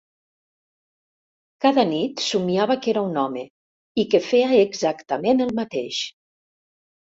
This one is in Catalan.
Cada nit somiava que era un home i que feia exactament el mateix.